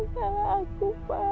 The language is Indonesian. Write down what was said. ini semua salah aku pak